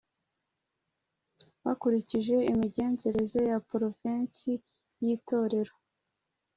bakurikije imigenzereze ya porovensi y itorero